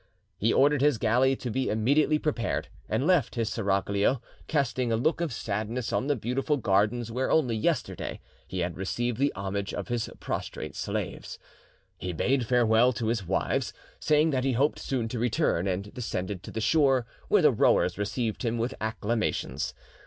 He ordered his galley to be immediately prepared, and left his seraglio, casting a look of sadness on the beautiful gardens where only yesterday he had received the homage of his prostrate slaves. He bade farewell to his wives, saying that he hoped soon to return, and descended to the shore, where the rowers received him with acclamations.